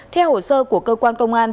theo hồ sơ của cơ quan công an